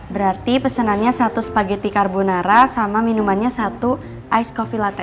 berarti pesenannya satu spaghetti carbonara sama minumannya satu ice coffee latte